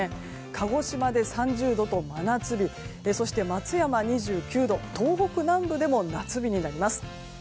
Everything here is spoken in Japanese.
鹿児島で３０度と真夏日そして松山、２９度東北南部でも夏日になります。